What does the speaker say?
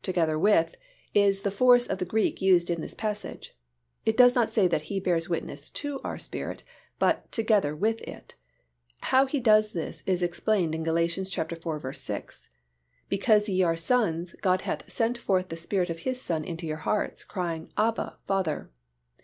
"Together with" is the force of the Greek used in this passage. It does not say that He bears witness to our spirit but "together with" it. How He does this is explained in Gal iv. 6, "Because ye are sons, God hath sent forth the Spirit of His Son into your hearts, crying, Abba, Father."